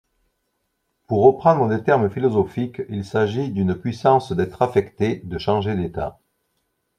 Pour reprendre des termes philosophiques, il s'agit d'une puissance d'être affecté, de changer d'état.